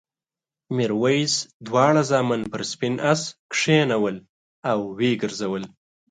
میرويس دواړه زامن پر سپین آس کېنول او وګرځول.